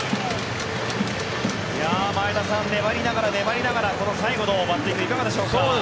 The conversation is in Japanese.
前田さん粘りながら、粘りながらこの最後のバッティングいかがでしょうか。